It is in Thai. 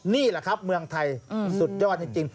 นี่แหละครับเมืองไทยสุดยอดจริง